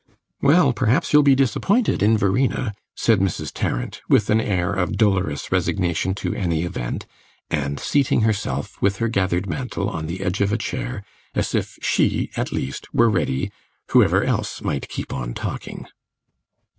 "Well, perhaps you'll be disappointed in Verena," said Mrs. Tarrant, with an air of dolorous resignation to any event, and seating herself, with her gathered mantle, on the edge of a chair, as if she, at least, were ready, whoever else might keep on talking.